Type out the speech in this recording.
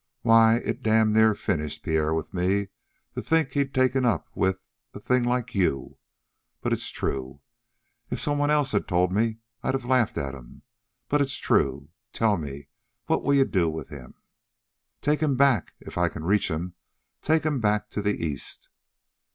Why, it damn near finished Pierre with me to think he'd take up with a thing like you. But it's true. If somebody else had told me I'd of laughed at 'em. But it's true. Tell me: what'll you do with him?" "Take him back if I can reach him take him back to the East."